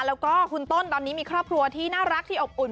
แล้วก็คุณต้นตอนนี้มีครอบครัวที่น่ารักที่อบอุ่น